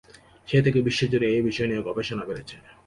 সেই থেকে বিশ্বজুড়ে এই বিষয় নিয়ে গবেষণা বেড়েছে।